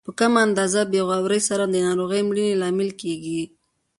په کمه اندازه بې غورۍ سره د ناروغ د مړینې لامل کیږي.